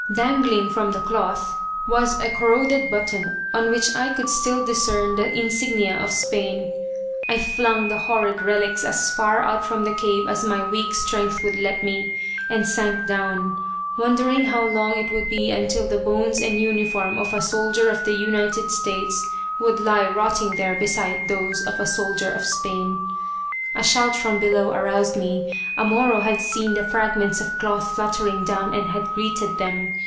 Dangling from the cloth was a corroded button on which I could still discern the insignia of Spain. I flung the horrid relics as far out from the cave as my weak strength would let me, and sank down, wondering how long it would be until the bones and uniform of a soldier of the United States would lie rotting there beside those of a soldier of Spain. A shout from below aroused me. A Moro had seen the fragments of cloth fluttering down and had greeted them.